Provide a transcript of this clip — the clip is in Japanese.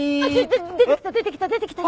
出てきた出てきた出てきた！